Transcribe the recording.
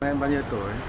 em bao nhiêu tuổi